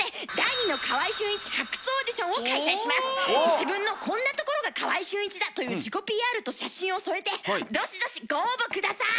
自分のこんなところが川合俊一だ！という自己ＰＲと写真を添えてどしどしご応募下さい！